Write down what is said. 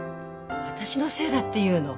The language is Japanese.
私のせいだって言うの？